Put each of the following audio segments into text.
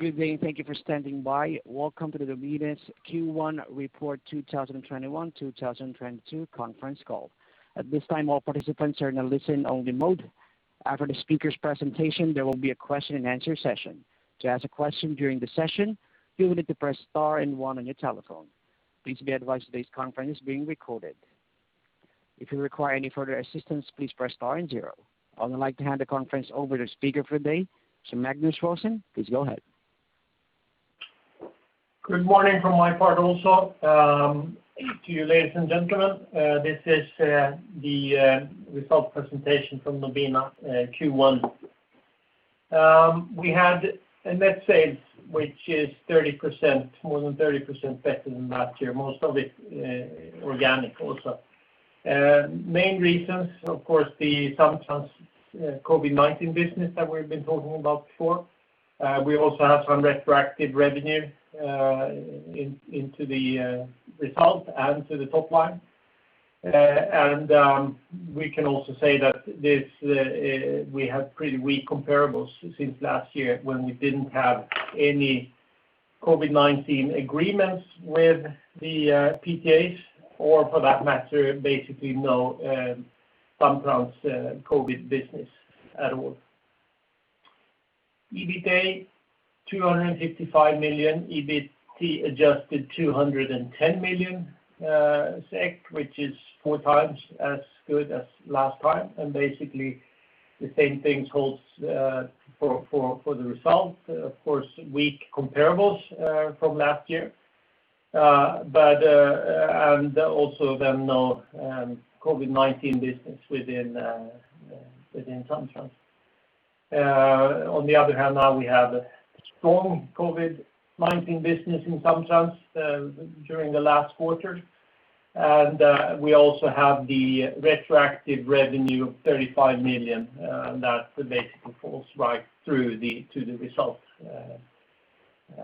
Good day. Thank you for standing by. Welcome to the Nobina Q1 Report 2021-2022 Conference Call. At this time, all participants are in a listen-only mode. After the speaker's presentation, there will be a question-and-answer session. To ask a question during the session, you'll need to press star and one on your telephone. Please be advised this conference is being recorded. If you require any further assistance, please press star and zero. I'd like to hand the conference over to speaker for today, to Magnus Rosén. Please go ahead. Good morning from my part also to you, ladies and gentlemen. This is the result presentation from Nobina Q1. We had a net sales which is more than 30% better than last year, most of it organic also. Main reasons, of course, the Samtrans COVID-19 business that we've been talking about before. We also have some retroactive revenue into the result and to the top line. We can also say that we had pretty weak comparables since last year when we didn't have any COVID-19 agreements with the PTAs or, for that matter, basically no Samtrans COVID business at all. EBITA, 255 million. EBIT adjusted 210 million SEK, which is 4x as good as last time. Basically, the same thing holds for the result. Of course, weak comparables from last year. Also, then no COVID-19 business within Samtrans. On the other hand, now we have a strong COVID-19 business in Samtrans during the last quarter, and we also have the retroactive revenue of 35 million, and that basically falls right through to the result. We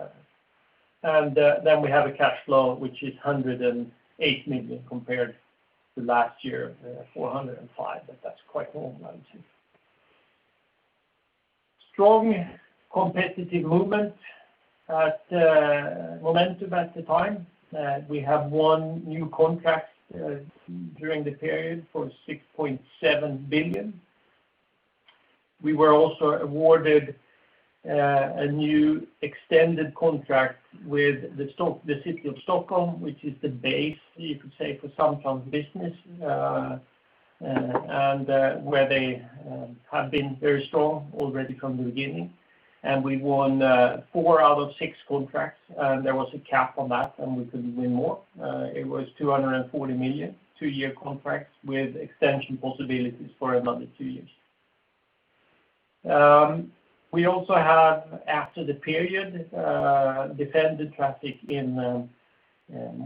have a cash flow which is 108 million compared to last year, 405 million, but that's quite normalized. Strong competitive momentum at the time. We have won new contracts during the period for 6.7 billion. We were also awarded a new extended contract with the City of Stockholm, which is the base, you could say, for Samtrans business and where they have been very strong already from the beginning. We won 4 out of 6 contracts, and there was a cap on that, and we could win more. It was 240 million, 2-year contract with extension possibilities for another 2 years. We also have, after the period, defended traffic in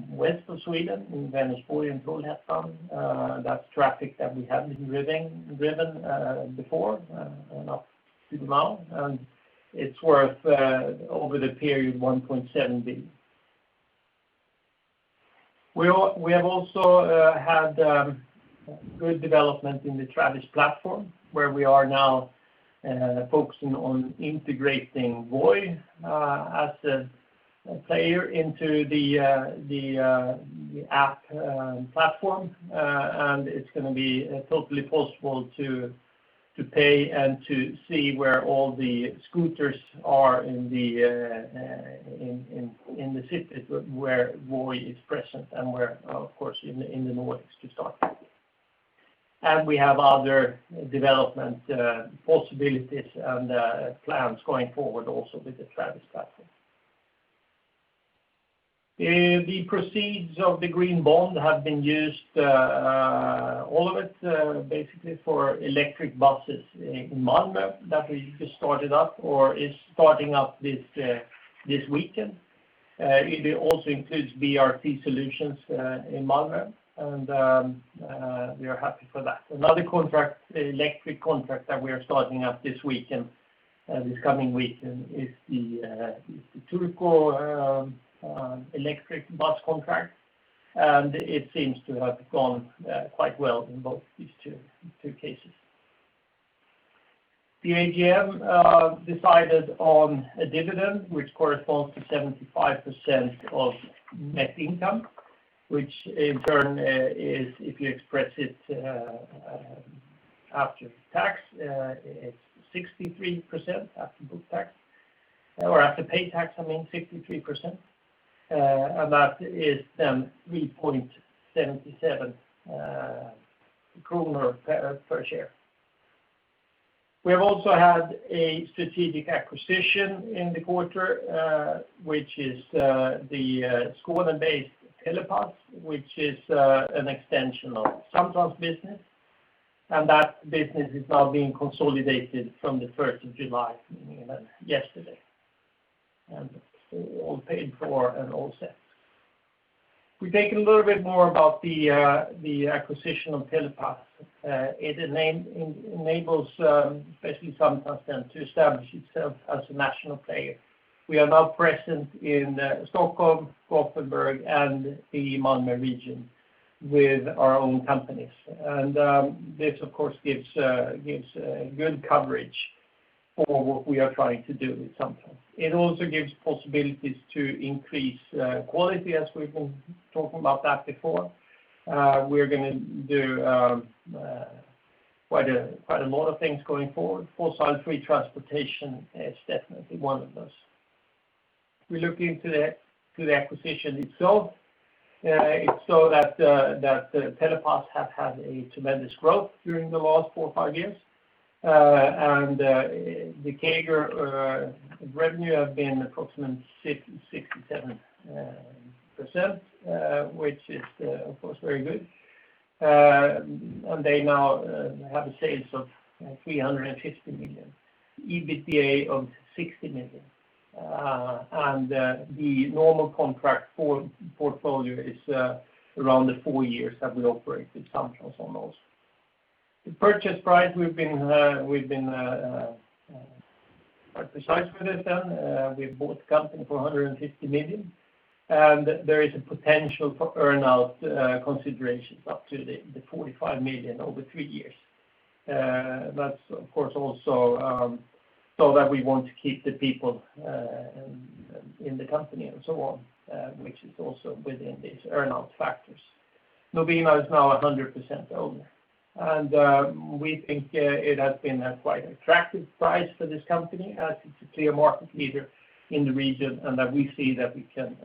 west of Sweden, in Vänersborg and Trollhättan. That's traffic that we hadn't driven before up to now, and it's worth over the period 1.7 billion. We have also had good development in the Travis platform, where we are now focusing on integrating Voi as a player into the app platform. It's going to be totally possible to pay and to see where all the scooters are in the cities where Voi is present and were, of course, in the Nordics to start. We have other development possibilities and plans going forward also with the Travis platform. The proceeds of the green bond have been used, all of it basically for electric buses in Malmö that we just started up or is starting up this weekend. It also includes BRT solutions in Malmö, and we are happy for that. Another electric contract that we are starting up this coming weekend is the Turku electric bus contract. It seems to have gone quite well in both these two cases. The AGM decided on a dividend which corresponds to 75% of net income, which in turn is, if you express it after tax, it's 63% after book tax or after pay tax, I mean 63%, that is then 3.77 kronor per share. We have also had a strategic acquisition in the quarter, which is the Skåne-based Telepass, which is an extension of Samtrans business. That business is now being consolidated from the 1st of July, meaning yesterday, all paid for and all set. We take a little bit more about the acquisition of Telepass. It enables basically Samtrans then to establish itself as a national player. We are now present in Stockholm, Gothenburg, and the Malmö region. With our own companies. This, of course, gives good coverage for what we are trying to do with Samtrans. It also gives possibilities to increase quality, as we've been talking about that before. We're going to do quite a lot of things going forward. Fossil-free transportation is definitely one of those. We look into the acquisition itself. It's so that Telepass have had a tremendous growth during the last 4 or 5 years. The CAGR of revenue have been approximately 67%, which is, of course, very good. They now have a sales of 350 million, EBITDA of 60 million. The normal contract portfolio is around the 4 years that we operate with Samtrans on those. The purchase price we've been quite precise with this then. We have bought the company for 150 million, there is a potential for earn-out considerations up to 45 million over 3 years. That's of course also so that we want to keep the people in the company and so on which is also within these earn-out factors. Nobina is now 100% owner, we think it has been a quite attractive price for this company as it's a clear market leader in the region and that we see that we can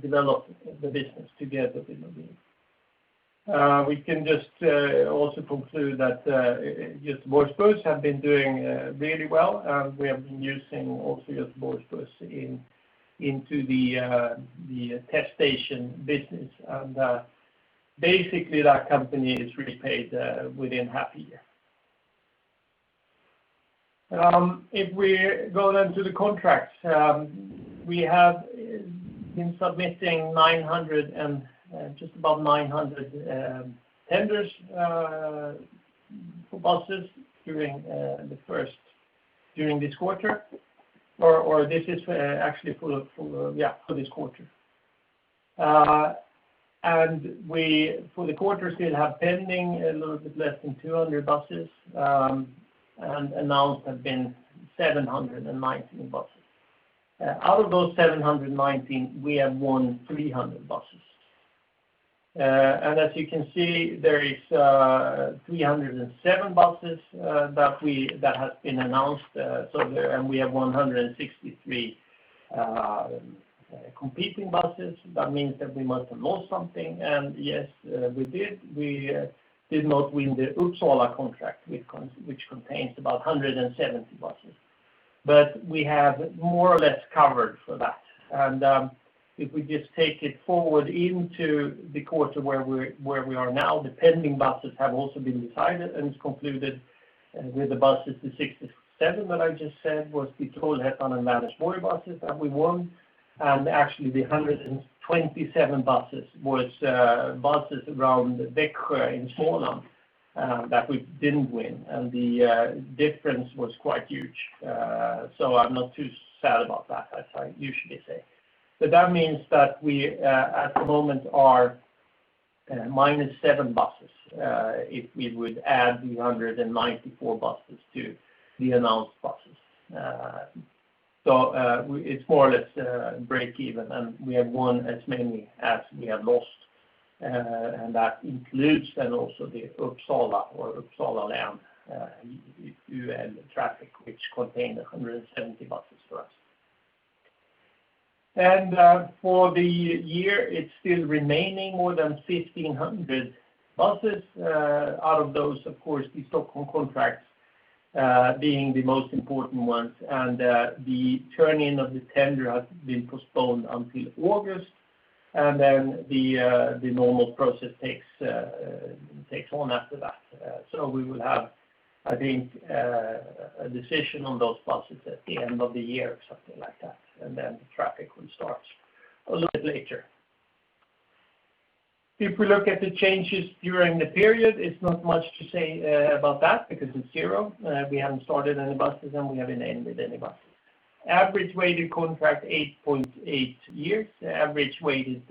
develop the business together with Nobina. We can just also conclude that Göteborgs Buss have been doing very well, we have been using also Göteborgs Buss into the test station business, basically that company is repaid within half a year. If we go then to the contracts, we have been submitting just above 900 tenders for buses during this quarter. This is actually for this quarter. For the quarter, still have pending a little bit less than 200 buses, and announced have been 719 buses. Out of those 719, we have won 300 buses. As you can see, there is 307 buses that has been announced, and we have 163 competing buses. That means that we must have lost something. Yes we did. We did not win the Uppsala contract which contains about 170 buses, but we have more or less covered for that. If we just take it forward into the quarter where we are now, the pending buses have also been decided and it's concluded with the buses, the 67 that I just said was between Hässleholm and Malmö's buses that we won. Actually the 127 buses was buses around Växjö in Småland that we didn't win and the difference was quite huge. I'm not too sad about that, I should say. That means that we at the moment are -7 buses if we would add the 194 buses to the announced buses. It's more or less break-even and we have won as many as we have lost. That includes then also the Uppsala or Uppsala län traffic which contained 170 buses for us. For the year, it's still remaining more than 1,500 buses. Out of those, of course, the Stockholm contracts being the most important ones and the turn in of the tender has been postponed until August, the normal process takes on after that. We will have, I think, a decision on those buses at the end of the year or something like that, then the traffic will start a little bit later. If we look at the changes during the period, it's not much to say about that because it's zero. We haven't started any buses, and we haven't ended any buses. Average weighted contract age 8.8 years. Average weighted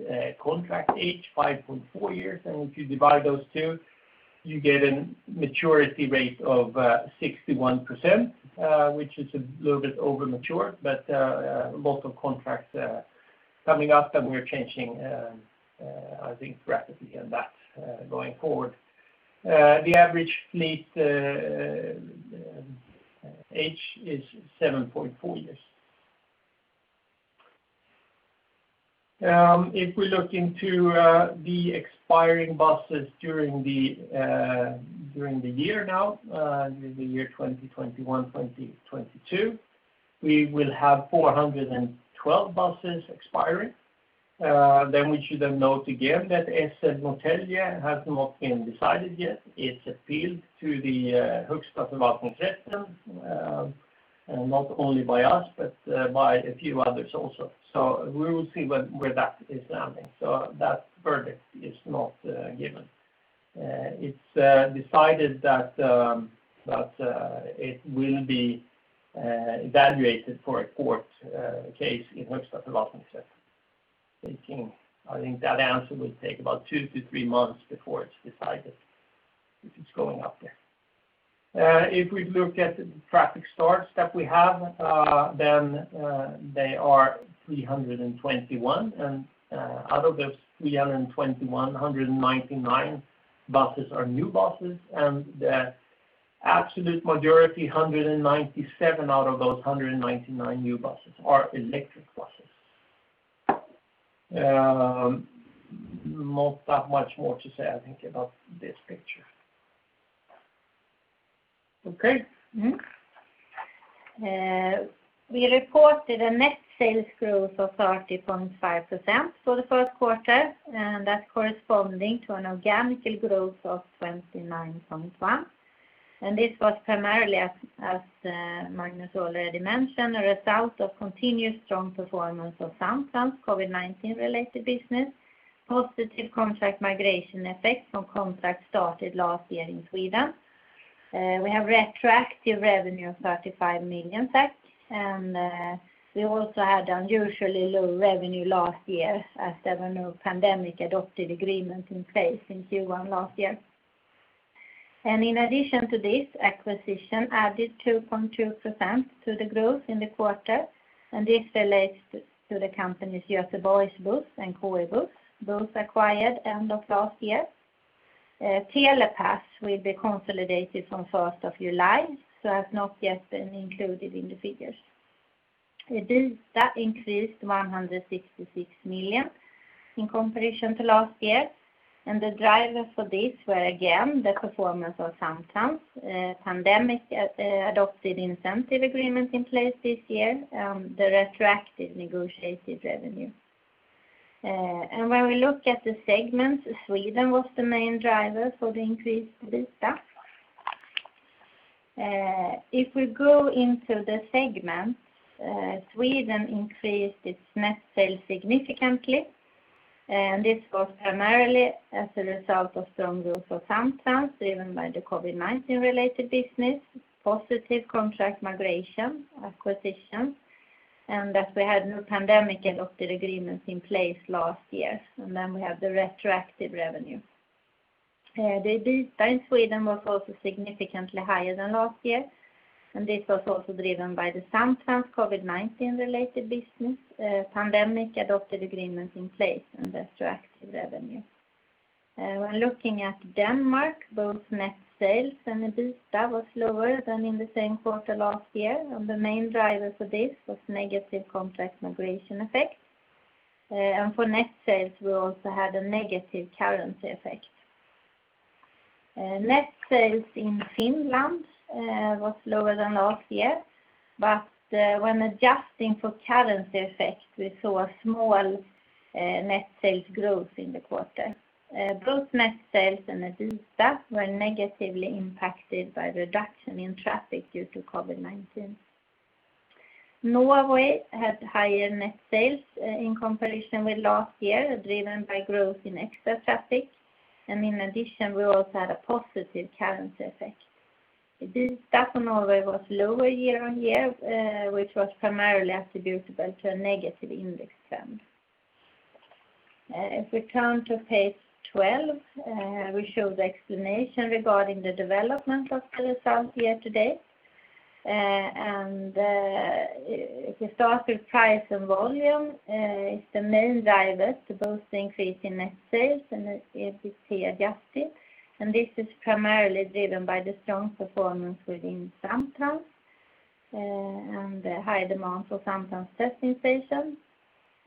contract age 5.4 years and if you divide those two, you get a maturity rate of 61%, which is a little bit over mature, but lots of contracts coming up that we are changing I think rapidly and that's going forward. The average fleet age is 7.4 years. If we look into the expiring buses during the year now, during the year 2021-2022, we will have 412 buses expiring. We should note again that SL Norrtälje has not been decided yet. It's appealed to the Högsta förvaltningsdomstolen not only by us, but by a few others also. We will see where that is landing. That verdict is not given. It's decided that it will be evaluated for a court case in Högsta förvaltningsdomstolen. I think that answer will take about 2 to 3 months before it's decided if it's going up there. If we look at the traffic starts that we have, then they are 321, and out of those 321, 199 buses are new buses, and the absolute majority, 197 out of those 199 new buses are electric buses. Not that much more to say, I think, about this picture. Okay. We reported a net sales growth of 30.5% for the first quarter. That's corresponding to an organic growth of 29.1%. This was primarily, as Magnus already mentioned, a result of continued strong performance of Samtrans COVID-19 related business, positive contract migration effects from contracts started last year in Sweden. We have retroactive revenue of 35 million. We also had unusually low revenue last year as there were no pandemic-adapted agreements in place in Q1 last year. In addition to this, acquisition added 2.2% to the growth in the quarter. This relates to the companies Göteborgs Buss and KE's Buss, both acquired end of last year. Telepass will be consolidated from 1st of July, has not yet been included in the figures. The EBITDA increased 166 million in comparison to last year, and the drivers for this were again the performance of Samtrans pandemic-adapted incentive agreements in place this year, the retroactive negotiated revenue. When we look at the segments, Sweden was the main driver for the increased EBITDA. If we go into the segments, Sweden increased its net sales significantly, and this was primarily as a result of strong growth of Samtrans, driven by the COVID-19 related business, positive contract migration acquisition, and that we had no pandemic-adopted agreements in place last year. Then we have the retroactive revenue. The EBITDA in Sweden was also significantly higher than last year, and this was also driven by the Samtrans COVID-19 related business, pandemic-adopted agreements in place and retroactive revenue. Looking at Denmark, both net sales and EBITDA were lower than in the same quarter last year, the main driver for this was negative contract migration effect. For net sales, we also had a negative currency effect. Net sales in Finland was lower than last year, when adjusting for currency effect, we saw a small net sales growth in the quarter. Both net sales and EBITDA were negatively impacted by reduction in traffic due to COVID-19. Norway had higher net sales in comparison with last year, driven by growth in extra traffic, and in addition, we also had a positive currency effect. EBITDA for Norway was lower year-on-year, which was primarily attributable to a negative index trend. If we turn to page 12, we show the explanation regarding the development of the results year-to-date. If you start with price and volume, it's the main drivers to both the increase in net sales and the EBIT adjusted, and this is primarily driven by the strong performance within Samtrans and the high demand for Samtrans testing stations.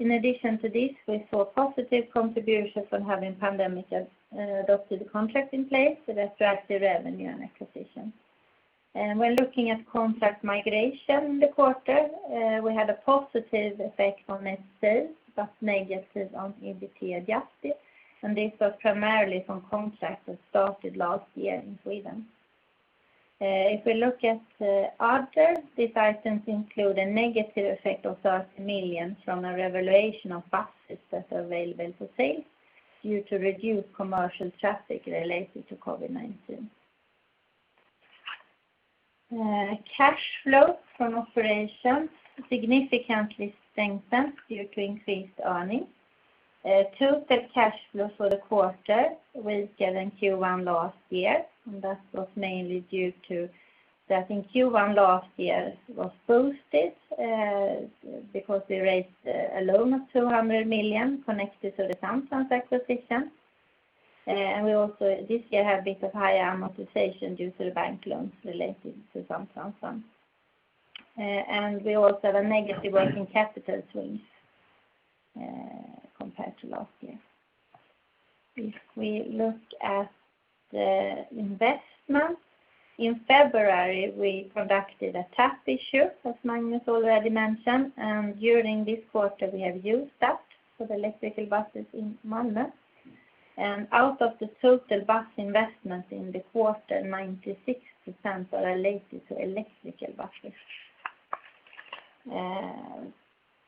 In addition to this, we saw positive contribution from having pandemic-adopted contract in place, the retroactive revenue and acquisition. When looking at contract migration in the quarter, we had a positive effect on net sales, but negative on EBIT adjusted, and this was primarily from contracts that started last year in Sweden. If we look at other, these items include a negative effect of 30 million from a revaluation of buses that are available for sale due to reduced commercial traffic related to COVID-19. Cash flow from operations significantly strengthened due to increased earnings. Total cash flow for the quarter was given Q1 last year. That was mainly due to that in Q1 last year was boosted, because we raised a loan of 200 million connected to the Samtrans acquisition. We also this year have a bit of higher amortization due to the bank loans related to Samtrans. We also have a negative working capital swing compared to last year. If we look at the investment, in February, we conducted a tap issue, as Magnus already mentioned, and during this quarter we have used that for the electrical buses in Malmö. Out of the total bus investment in the quarter, 96% were related to electrical buses.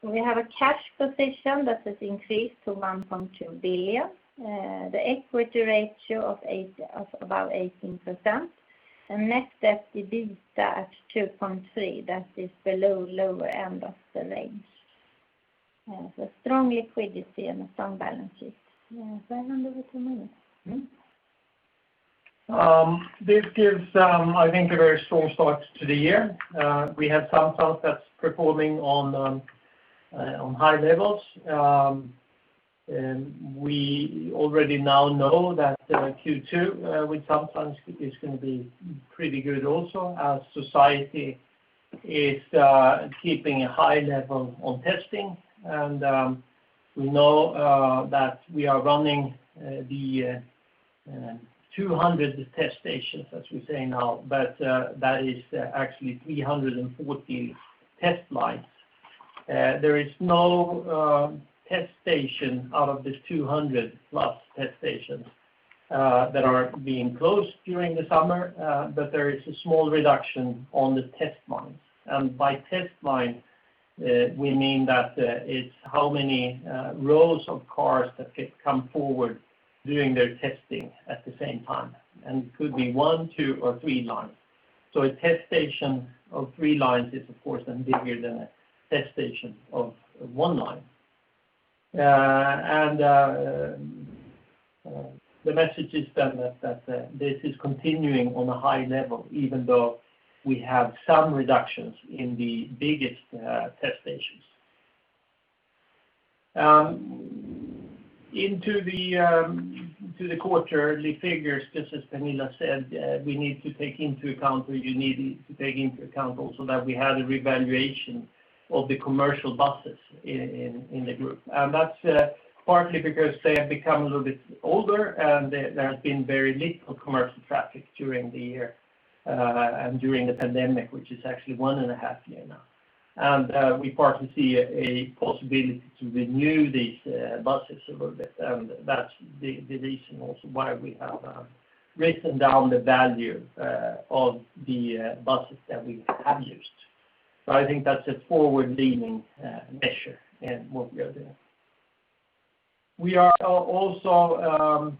We have a cash position that has increased to 1.2 billion. The equity ratio of about 18%. Net debt-to-EBITDA at 2.3x, that is below lower end of the range. Strong liquidity and strong balance sheet. This gives, I think, a very strong start to the year. We have some parts that's performing on high levels. We already now know that Q2 with some parts is going to be pretty good also as society is keeping a high level on testing. We know that we are running the 200 test stations, as we say now, but that is actually 340 test lines. There is no test station out of the 200-plus test stations that are being closed during the summer, but there is a small reduction on the test lines. By test line, we mean that it's how many rows of cars that can come forward doing their testing at the same time, and could be one, two, or three lines. A test station of three lines is of course then bigger than a test station of one line. The message is that this is continuing on a high level, even though we have some reductions in the biggest test stations. To the quarter, the figures, just as Pernilla said, you need to take into account also that we had a revaluation of the commercial buses in the group. That's partly because they have become a little bit older, and there has been very little commercial traffic during the year and during the pandemic, which is actually one and a half year now. We partly see a possibility to renew these buses a little bit, and that's the reason also why we have written down the value of the buses that we have used. I think that's a forward-leaning measure in what we are doing. We are also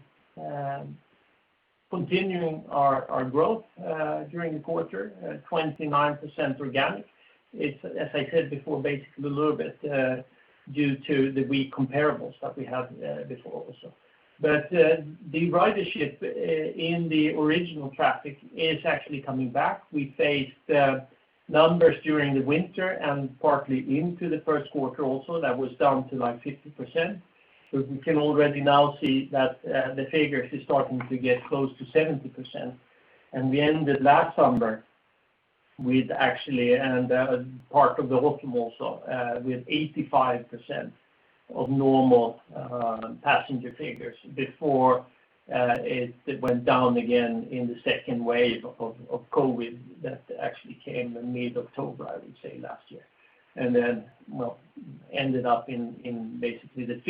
continuing our growth during the quarter at 29% organic. As I said before, basically a little bit due to the weak comparables that we had before also. The ridership in the original traffic is actually coming back. We faced numbers during the winter and partly into Q1 also that was down to like 50%. We can already now see that the figures are starting to get close to 70%. We ended last summer with actually, and part of the autumn also, with 85% of normal passenger figures before it went down again in the second wave of COVID that actually came in mid-October, I would say, last year. Ended up in basically the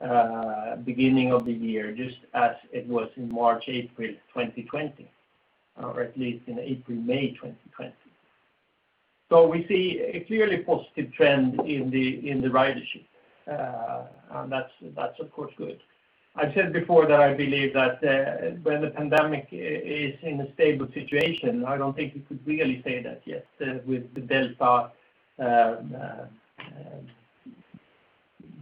50% beginning of the year, just as it was in March, April 2020, or at least in April, May 2020. We see a clearly positive trend in the ridership. That's of course good. I said before that I believe that when the pandemic is in a stable situation, I don't think you could really say that yet with the Delta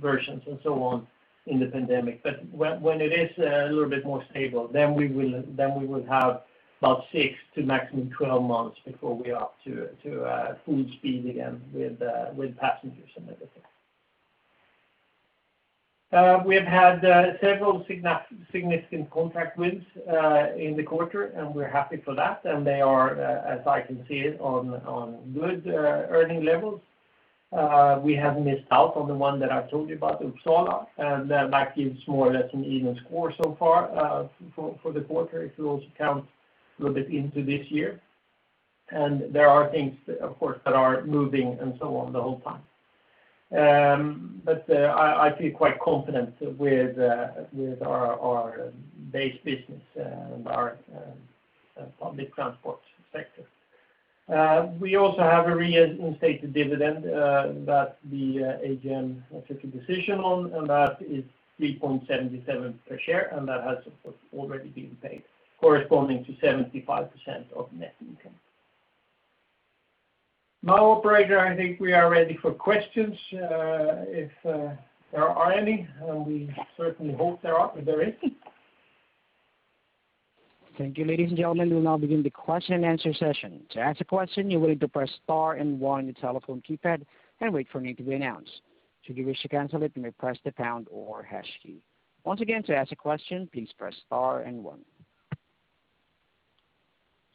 and so on in the pandemic. When it is a little bit more stable, we will have about 6 to maximum 12 months before we are up to full speed again with passengers and everything. We've had several significant contract wins in the quarter, we're happy for that. They are, as I can see it, on good earning levels. We have missed out on the one that I told you about Uppsala, that gives more or less an even score so far for the quarter if you also count a little bit into this year. There are things, of course, that are moving and so on the whole time. I feel quite confident with our base business and our public transport sector. We also have a real estate dividend that the AGM has taken a decision on, and that is 3.77 per share, and that has of course already been paid, corresponding to 75% of net income. Now, operator, I think we are ready for questions if there are any, and we certainly hope there is. Thank you, ladies and gentlemen. We'll now begin the question-and-answer session. To ask a question, you're willing to press star one on your telephone keypad and wait for it to be announced. Should you wish to cancel it, you may press the pound or hash key. Once again, to ask a question, please press star one.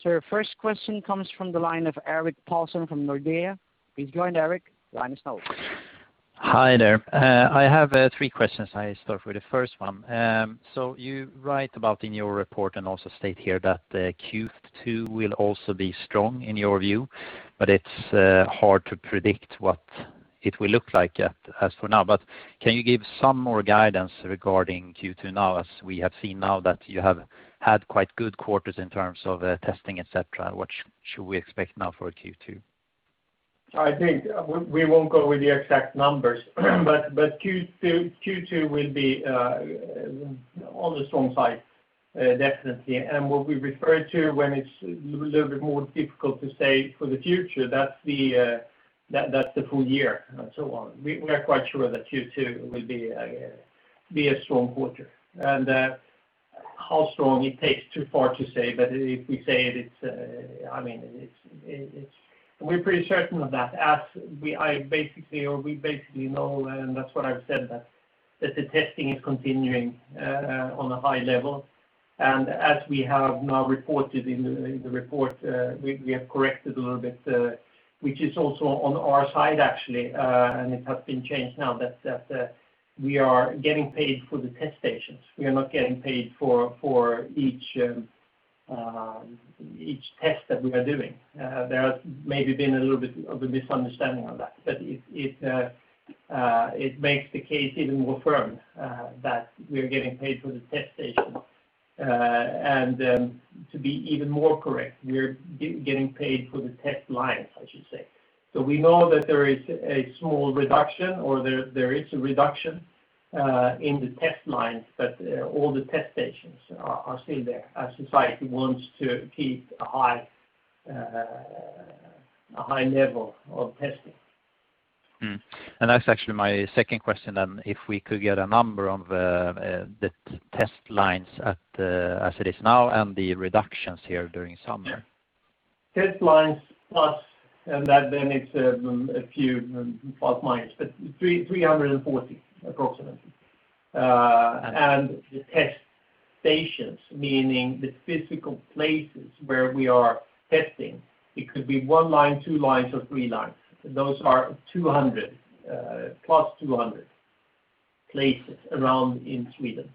Your first question comes from the line of Erik Paulsen from Nordea. Please join, Erik. The line is now open. Hi there. I have three questions. I start with the first one. You write about in your report and also state here that Q2 will also be strong in your view, but it's hard to predict what it will look like that as for now. Can you give some more guidance regarding Q2 now, as we have seen now that you have had quite good quarters in terms of testing, et cetera? What should we expect now for Q2? I think we won't go with the exact numbers, but Q2 will be on the strong side definitely. What we refer to when it's a little bit more difficult to say for the future, that's the full year and so on. We are quite sure that Q2 will be a strong quarter. How strong, it takes too far to say, but if we say it, we're pretty certain of that as we basically know, and that's what I've said, that the testing is continuing on a high level. As we have now reported in the report, we have corrected a little bit, which is also on our side actually, and it has been changed now that we are getting paid for the test stations. We are not getting paid for each test that we are doing. There has maybe been a little bit of a misunderstanding on that. It makes the case even more firm that we are getting paid for the test stations. To be even more correct, we are getting paid for the test lines, I should say. We know that there is a small reduction, or there is a reduction in the test lines, but all the test stations are still there as society wants to keep a high level of testing. That's actually my second question then. If we could get a number on the test lines as it is now and the reductions here during summer? Test lines, plus and then it's a few plus/minus, but 340 approximately. The test stations, meaning the physical places where we are testing, it could be 1 line, 2 lines or 3 lines. Those are +200 places around in Sweden.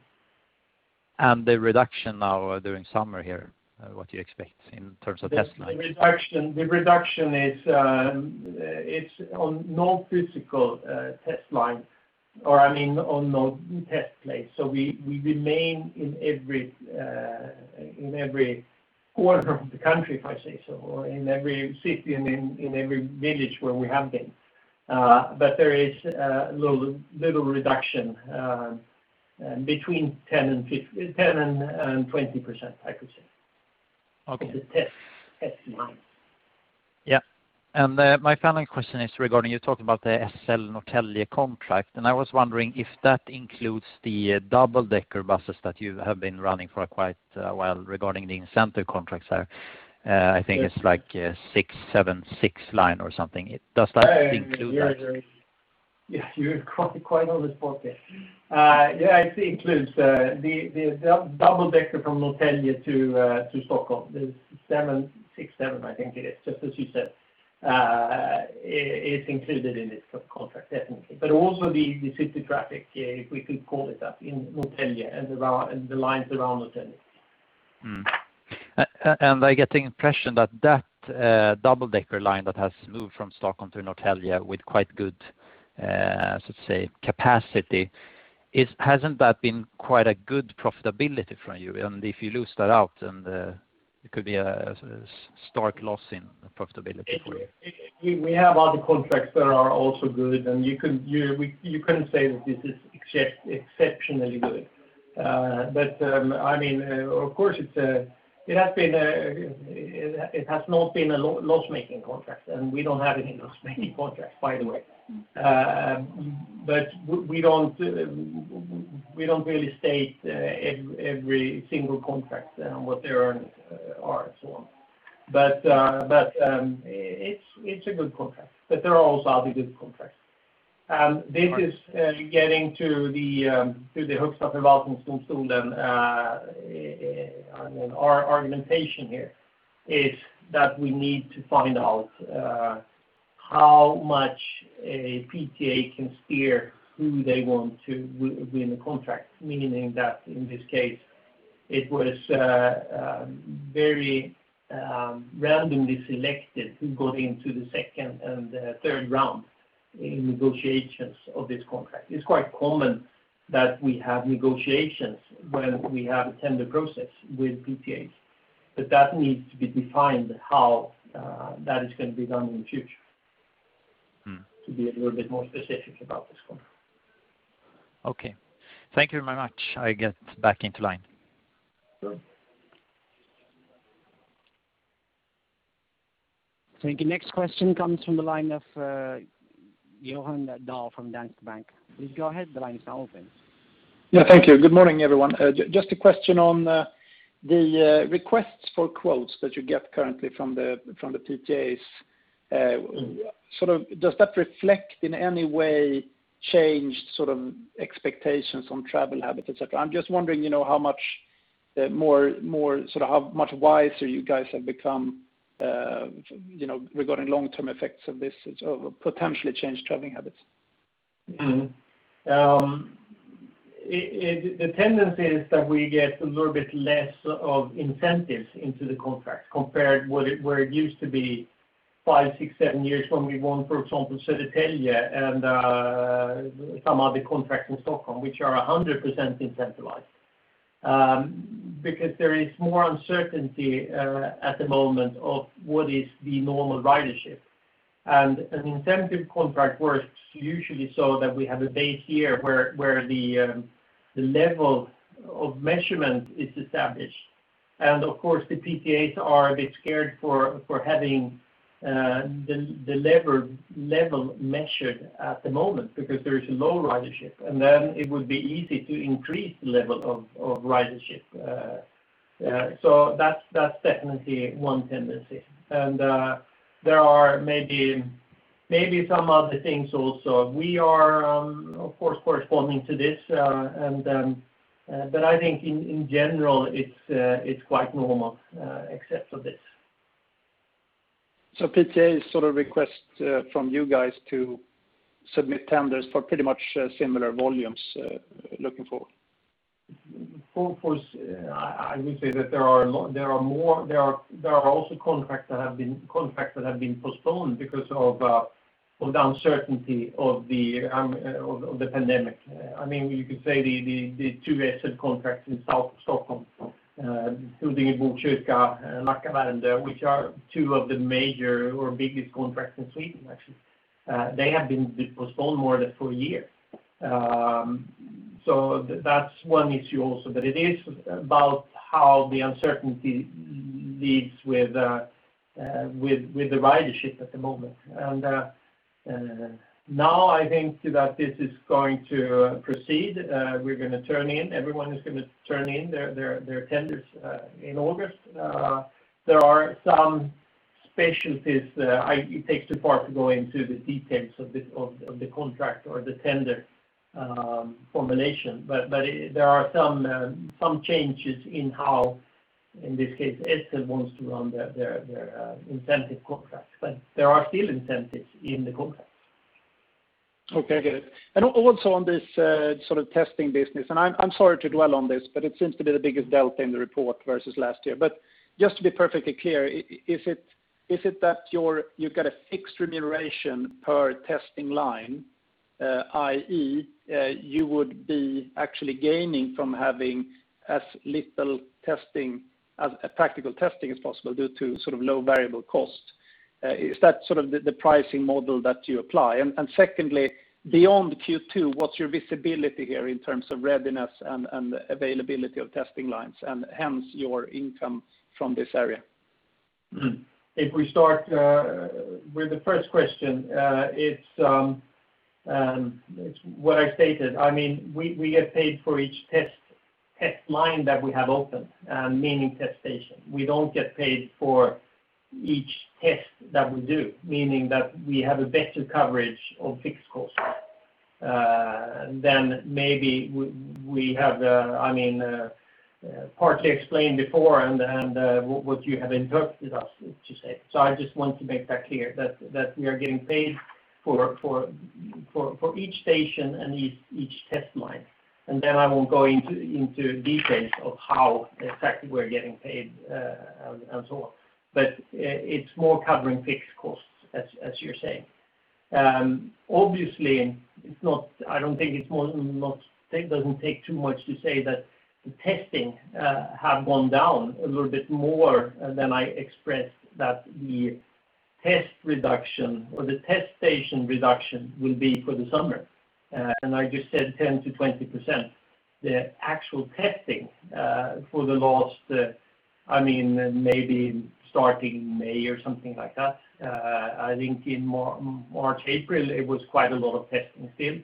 The reduction now during summer here, what do you expect in terms of test lines? The reduction is on no physical test line or on no test place. We remain in every corner of the country, if I say so, or in every city and in every village where we have been. There is a little reduction, between 10% and 20%, I would say. Okay. The test lines. Yeah. My final question is regarding, you talked about the SL Norrtälje contract, and I was wondering if that includes the double-decker buses that you have been running for quite a while regarding the incentive contracts there. I think it's like 676 line or something. Does that include that? Yes, you're quite on the spot there. Yeah, it includes the double-decker from Norrtälje to Stockholm. The 676, I think it is, just as you said. It's included in this contract definitely. Also the city traffic, if we could call it that, in Norrtälje and the lines around Norrtälje. I get the impression that that double-decker line that has moved from Stockholm to Norrtälje with quite good capacity, hasn't that been quite a good profitability for you? If you lose that out, it could be a stark loss in profitability for you. We have other contracts that are also good, and you couldn't say that this is exceptionally good. Of course, it has not been a loss-making contract, and we don't have any loss-making contracts, by the way. We don't really state every single contract and what the earnings are and so on. It's a good contract. There are also other good contracts. This is getting to the Håkan Samuelsson's tool. Our argumentation here is that we need to find out how much a PTA can steer who they want to win a contract, meaning that in this case, it was very randomly selected who got into the second and the third round in negotiations of this contract. It's quite common that we have negotiations when we have a tender process with PTAs. That needs to be defined how that is going to be done in the future. To be a little bit more specific about this one. Okay. Thank you very much. I get back into line. Sure. Thank you. The next question comes from the line of Johan Dahl from Danske Bank. Go ahead, the line is open. Yeah, thank you. Good morning, everyone. Just a question on the requests for quotes that you get currently from the PTAs. Does that reflect in any way changed expectations on travel habits? I'm just wondering how much wiser you guys have become regarding long-term effects of this, of potentially changed traveling habits. The tendency is that we get a little bit less of incentives into the contract compared where it used to be 5, 6, 7 years when we won, for example, Södertälje and some other contract in Stockholm, which are 100% incentivized. There is more uncertainty at the moment of what is the normal ridership. An incentive contract works usually so that we have a base year where the level of measurement is established. Of course, the PTAs are a bit scared for having the level measured at the moment because there's low ridership, and then it would be easy to increase the level of ridership. That's definitely one tendency. There are maybe some other things also. We are, of course, corresponding to this, but I think in general it's quite normal except for this. PTA sort of request from you guys to submit tenders for pretty much similar volumes looking forward. I would say that there are also contracts that have been postponed because of the uncertainty of the pandemic. You could say the two SL contracts in South Stockholm, Huddinge, Botkyrka and Nacka Värmdö, which are two of the major or biggest contracts in Sweden actually. They have been postponed more than for a year. That's one issue also, but it is about how the uncertainty lives with the ridership at the moment. Now I think that this is going to proceed. We're going to turn in, everyone is going to turn in their tenders in August. There are some specialties. It takes a part to go into the details of the contract or the tender formulation. There are some changes in how, in this case, SL wants to run their incentive contracts, but there are still incentives in the contracts. Okay, good. Also on this sort of testing business, and I am sorry to dwell on this, but it seems to be the biggest Delta in the report versus last year. Just to be perfectly clear, is it that you've got a fixed remuneration per testing line, i.e., you would be actually gaining from having as little tactical testing as possible due to sort of low variable cost? Is that sort of the pricing model that you apply? Secondly, beyond Q2, what's your visibility here in terms of readiness and availability of testing lines and hence your income from this area? If we start with the first question, it's what I stated. We get paid for each test line that we have open, meaning test station. We don't get paid for each test that we do, meaning that we have a better coverage of fixed costs than maybe we have partly explained before and what you have instructed us to say. I just want to make that clear that we are getting paid for each station and each test line. Then I will go into details of how exactly we're getting paid, and so on. It's more covering fixed costs as you're saying. Obviously, it doesn't take too much to say that the testing have gone down a little bit more than I expressed that the test reduction or the test station reduction will be for the summer. I just said 10%-20%. The actual testing for the last, maybe starting May or something like that. I think in March, April, it was quite a lot of testing still.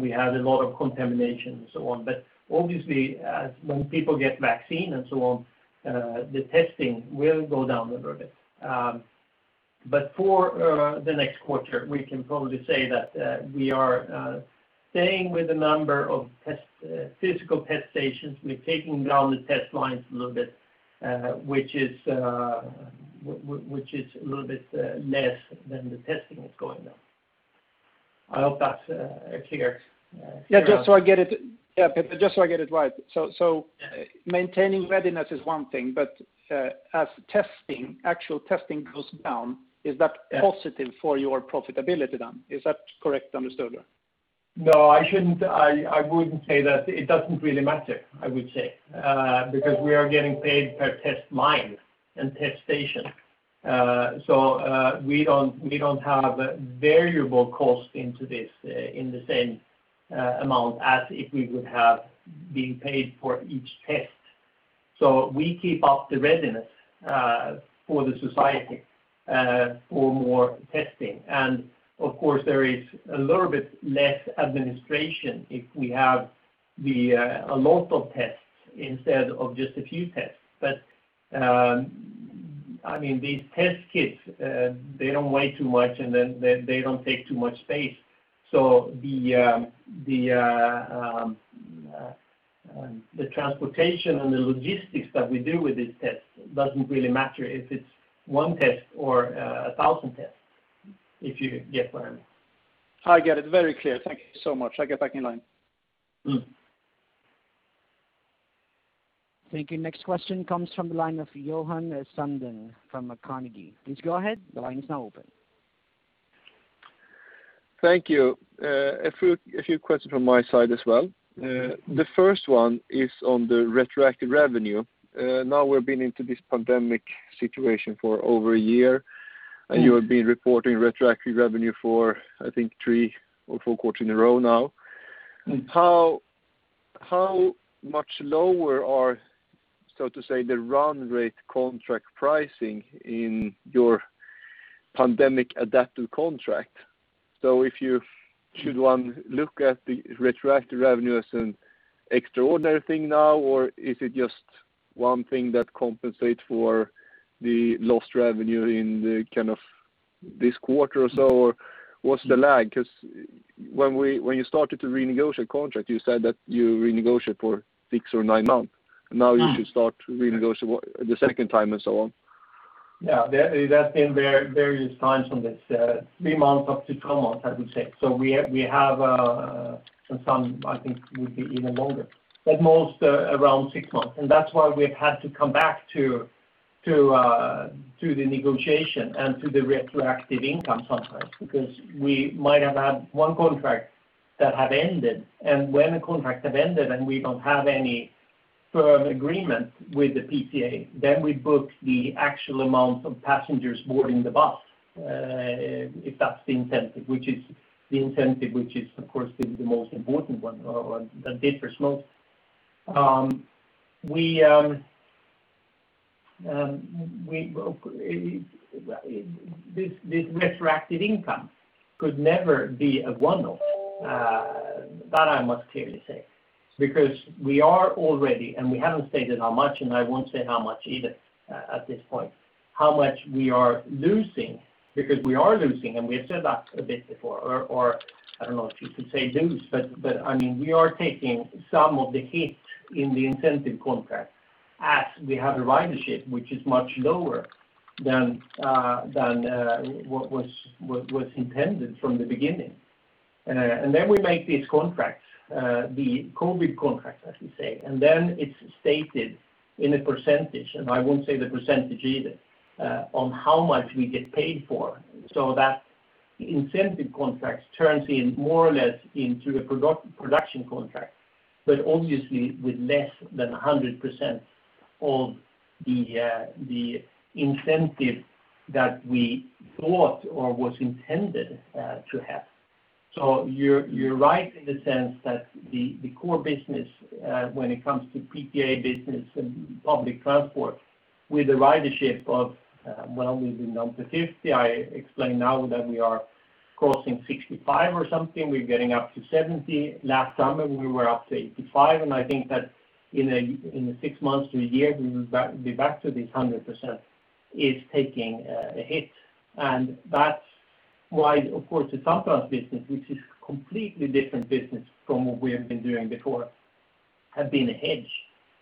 We had a lot of contamination and so on. Obviously, when people get vaccine and so on, the testing will go down a little bit. For the next quarter, we can probably say that we are staying with the number of physical test stations. We're taking down the test lines a little bit, which is a little bit less than the testing that's going on. I hope that's clear. Yeah. Just so I get it right. Maintaining readiness is one thing, but as testing, actual testing goes down, is that positive for your profitability then? Is that correct, Magnus? No, I wouldn't say that. It doesn't really matter, I would say, because we are getting paid per test line and test station. We don't have variable cost into this in the same amount as if we would have been paid for each test. We keep up readiness for the society or for testing. Of course, there is a little bit less administration if we have a lot of tests instead of just a few tests. These test kits, they don't weigh too much, and they don't take too much space. The transportation and the logistics that we do with these tests doesn't really matter if it's one test or 1,000 tests. If you get what I mean. I get it very clear. Thank you so much. I will get back in line. Thank you. Next question comes from the line of Johan Sundén from Carnegie. Please go ahead. Thank you. A few questions from my side as well. The first one is on the retroactive revenue. Now we've been into this pandemic situation for over a year, and you have been reporting retroactive revenue for, I think, 3 or 4 quarters in a row now. How much lower are, so to say, the run rate contract pricing in your pandemic-adapted contract? Should one look at the retroactive revenue as an extraordinary thing now, or is it just one thing that compensates for the lost revenue in this quarter or so? What's the lag? When you started to renegotiate contract, you said that you renegotiate for 6 or 9 months. Now you should start to renegotiate the second time and so on. Yeah, there have been various times on this. 3 months up to 12 months, I would say. For some, I think would be even longer, at most around 6 months. That's why we've had to come back to the negotiation and to the retroactive income sometimes because we might have had 1 contract that have ended, and when a contract have ended and we don't have any firm agreement with the PTA, then we book the actual amount of passengers boarding the bus, if that's the incentive, which is the incentive which is, of course, the most important one that differs most. This retroactive income could never be a one-off. That I must clearly say, because we are already, we haven't stated how much, I won't say how much either, at this point, how much we are losing, because we are losing, we have said that a bit before. I don't know if you could say lose, but we are taking some of the hit in the incentive contract as we have a ridership which is much lower than what was intended from the beginning. We make these contracts, the COVID contracts, as we say, it's stated in a percentage, I won't say the percentage either, on how much we get paid for. That incentive contracts turns in more or less into the production contract, but obviously with less than 100% of the incentive that we thought or was intended to have. You're right in the sense that the core business, when it comes to PTA business and public transport with a ridership of, well, we've been down to 50%. I explained now that we are crossing 65% or something. We're getting up to 70%. Last summer, we were up to 85%, and I think that in a 6 months to a year, we will be back to this 100%, is taking a hit. That's why, of course, the Samtrans business, which is completely different business from what we have been doing before, have been a hedge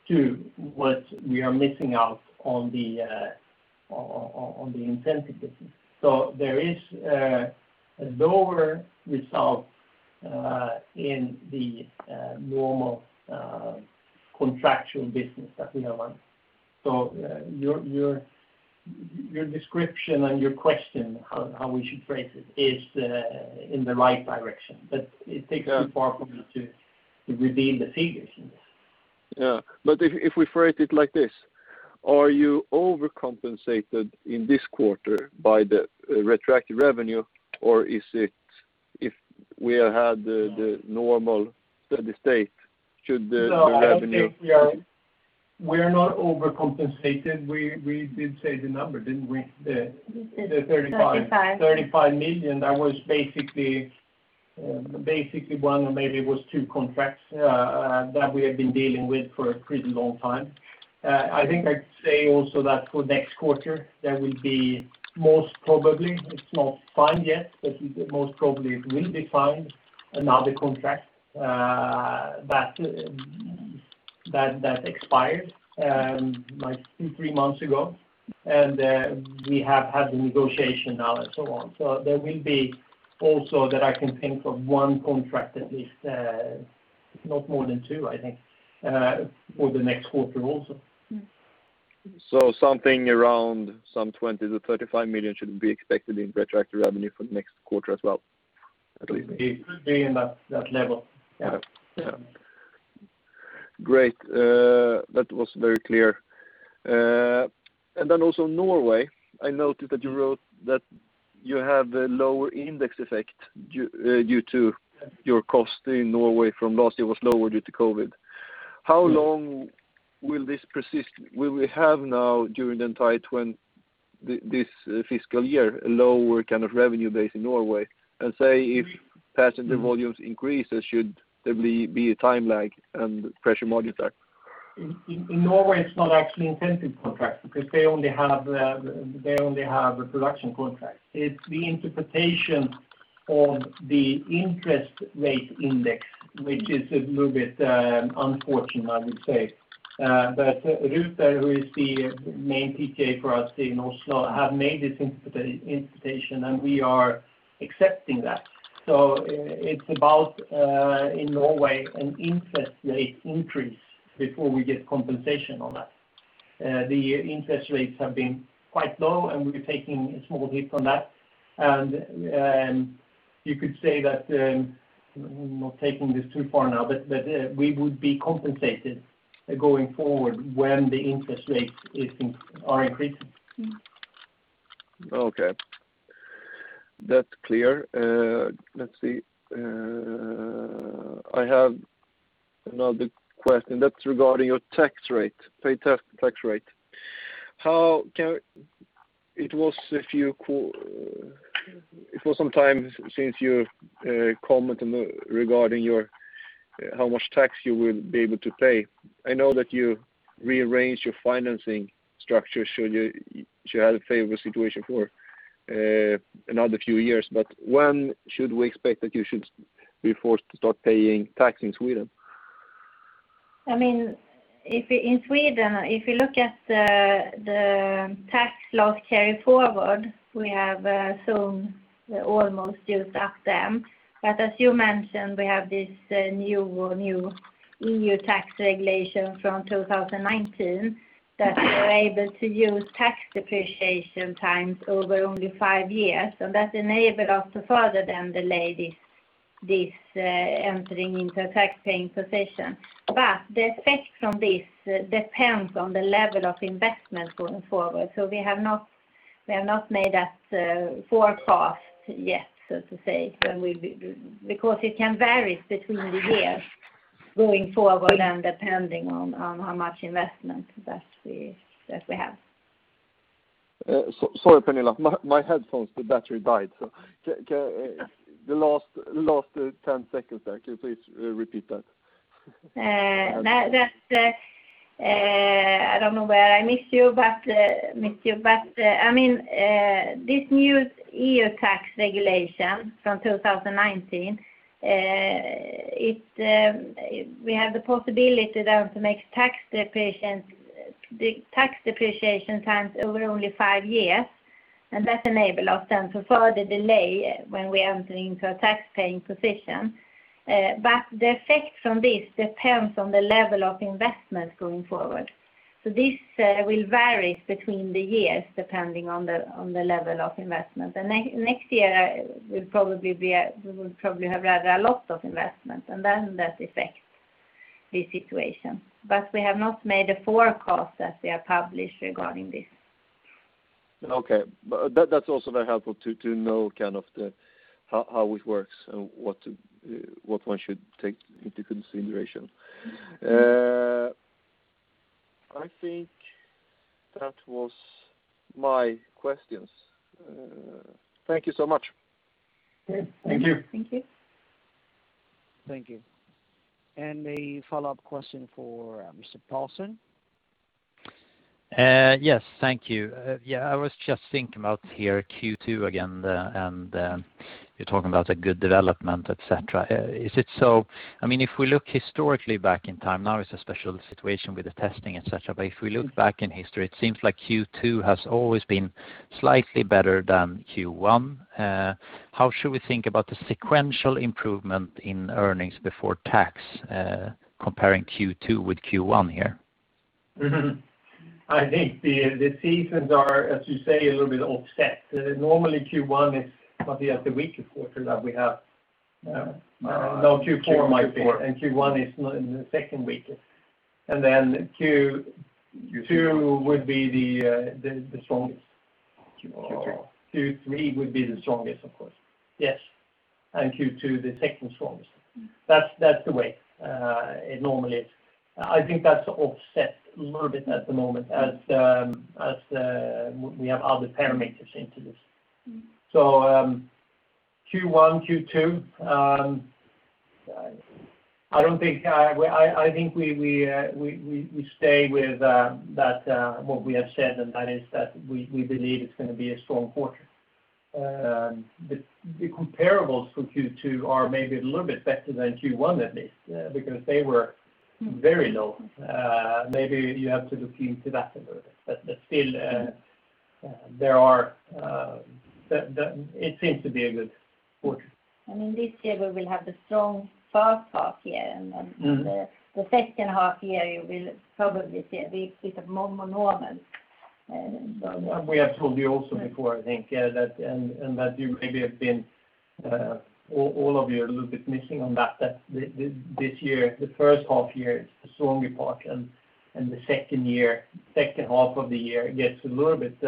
to what we are missing out on the incentive business. There is a lower result in the normal contractual business that we have run. Your description and your question, how we should phrase it, is in the right direction, but it takes too far for me to reveal the figures in this. Yeah. If we phrase it like this, are you overcompensated in this quarter by the retroactive revenue, or if we had the normal steady state, should the revenue... No, I think we are not overcompensated. We did say the number, didn't we? We did 35 million. 35 million. That was basically one, or maybe it was two contracts that we have been dealing with for a pretty long time. I think I'd say also that for next quarter, there will be most probably, it's not signed yet, but most probably it will be signed, another contract that expired 3 months ago, and we have had the negotiation now and so on. There will be also that I can think of one contract at least, if not more than two, I think, for the next quarter also. Something around some 20 million-35 million should be expected in retroactive revenue for the next quarter as well, at least? It could be in that level, yeah. Yeah. Great. That was very clear. Then also Norway, I noted that you wrote that you have a lower index effect due to your cost in Norway from last year was lower due to COVID. How long will this persist? Will we have now during this fiscal year, a lower kind of revenue base in Norway? And say if passenger volumes increase, should there be a time lag and pressure module factor? In Norway, it's not actually incentive contracts because they only have a production contract. It's the interpretation of the interest rate index, which is a little bit unfortunate, I would say. Ruter, who is the main PTA for us in Oslo, have made this interpretation, and we are accepting that. It's about, in Norway, an interest rate increase before we get compensation on that. The interest rates have been quite low, and we're taking a small hit on that. You could say that, I'm not taking this too far now, we would be compensated going forward when the interest rates are increasing. Okay. That's clear. Let's see. I have another question that's regarding your tax rate, paid tax rate. It was some time since you commented regarding how much tax you will be able to pay. I know that you rearranged your financing structure, so you had a favorable situation for another few years. When should we expect that you should be forced to start paying tax in Sweden? In Sweden, if you look at the tax loss carryforwards, we have almost used up them. As you mentioned, we have this new E.U. tax regulation from 2019 that we're able to use tax depreciation times over only 5 years, and that enable us to further delay this entering into a tax-paying position. The effect from this depends on the level of investment going forward. We have not made that forecast yet, so to say, because it can vary between the years going forward and depending on how much investment that we have. Sorry, Pernilla. My headphones, the battery died. The last 10 seconds there, can you please repeat that? I don't know where I missed you. This new E.U. tax regulation from 2019, we have the possibility there to make the tax depreciation times over only 5 years, and that enable us then to further delay when we enter into a tax-paying position. The effect from this depends on the level of investment going forward. This will vary between the years, depending on the level of investment. Next year we will probably have a lot of investment and then that affects the situation. We have not made a forecast that we have published regarding this. Okay. That's also very helpful to know how it works and what one should take into consideration. I think that was my questions. Thank you so much. Thank you. Thank you. Thank you. A follow-up question for Mr. Paulsen. Yes. Thank you. I was just thinking about Q2 again, and you're talking about a good development, et cetera. If we look historically back in time, now it's a special situation with the testing, et cetera, but if we look back in history, it seems like Q2 has always been slightly better than Q1. How should we think about the sequential improvement in earnings before tax comparing Q2 with Q1 here? I think the seasons are, as you say, a little bit offset. Normally Q1 is probably the weakest quarter that we have. No, Q4 might be, and Q1 is the second weakest. Then Q2 would be the strongest. Q3 would be the strongest, of course. Yes. Q2, the second strongest. That's the way it normally is. I think that's offset a little bit at the moment as we have other parameters into this. Q1, Q2, I think we stay with what we have said, and that is that we believe it's going to be a strong quarter. The comparables for Q2 are maybe a little bit better than Q1, at least, because they were very low. Maybe you have to look into that a little bit. Still, it seems to be a good quarter. This year we will have the strong first half year, and the second half year you will probably see a bit of more normal. We have told you also before, I think, and that you maybe have been, all of you, a little bit missing on that this year, the first half year is the stronger part and the second half of the year gets a little bit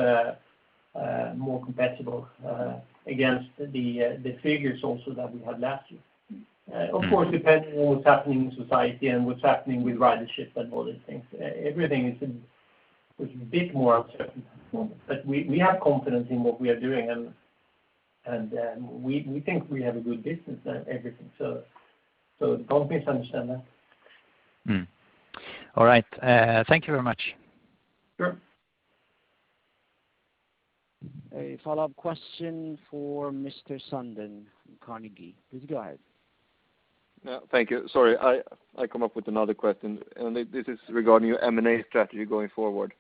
more comparable against the figures also that we had last year. Of course, depending on what's happening in society and what's happening with ridership and all these things. Everything is a bit more uncertain at the moment. We have confidence in what we are doing, and we think we have a good business and everything. Don't misunderstand that. All right. Thank you very much. Sure. A follow-up question for Mr. Sundén from Carnegie. Please go ahead. Thank you. Sorry, I come up with another question. This is regarding your M&A strategy going forward.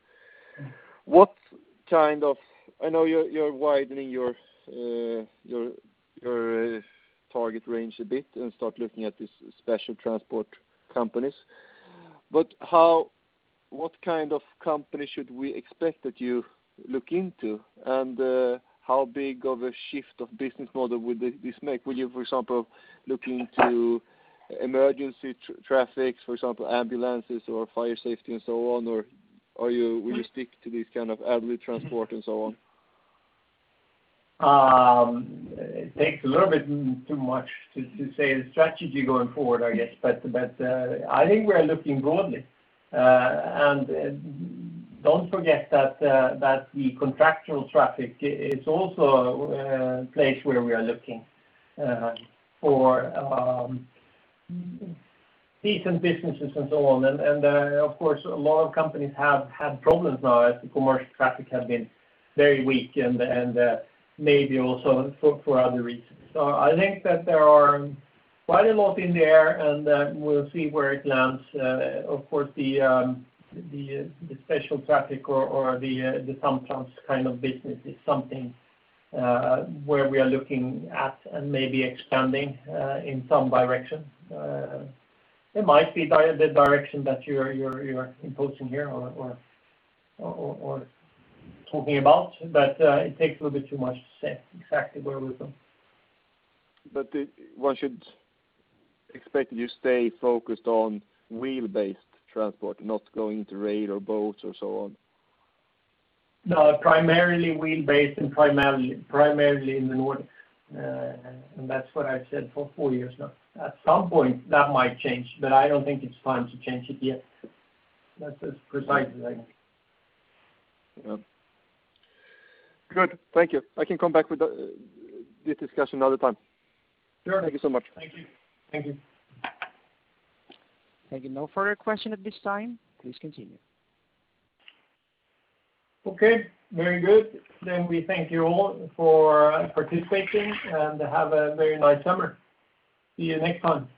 I know you're widening your target range a bit and start looking at these special transport companies. What kind of company should we expect that you look into? How big of a shift of business model will this make? Will you, for example, look into emergency traffic, for example, ambulances or fire safety and so on, or will you stick to this kind of heavy transport and so on? It takes a little bit too much to say the strategy going forward, I guess. I think we're looking broadly. Don't forget that the contractual traffic is also a place where we are looking for decent businesses and so on. Of course, a lot of companies have had problems now as the commercial traffic has been very weak and maybe also for other reasons. I think that there are quite a lot in there, and then we'll see where it lands. Of course, the special traffic or the sometimes kind of business is something where we are looking at and maybe expanding in some direction. It might be the direction that you're imposing here or talking about, but it takes a little bit too much to say exactly where we're going. One should expect you stay focused on wheel-based transport, not going to rail or boats or so on? No, primarily wheel-based and primarily in the north. That's what I've said for 4 years now. At some point, that might change, but I don't think it's time to change it yet. That's as precise as I can be. Good. Thank you. I can come back with this discussion another time. Sure. Thank you so much. Thank you. Okay, no further question at this time. Please continue. Okay, very good. We thank you all for participating and have a very nice summer. See you next time.